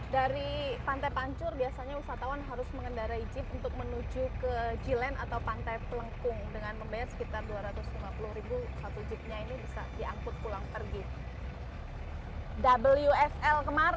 dari pantai pancur biasanya wisatawan harus mengendarai jeep untuk menuju ke g land atau pantai pelengkung